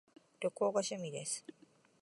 旅行が趣味です